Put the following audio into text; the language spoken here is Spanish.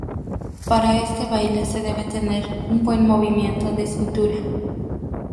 Para este baile se debe tener un buen movimiento de cintura.